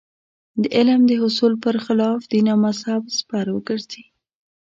د علم د حصول پر خلاف دین او مذهب سپر وګرځي.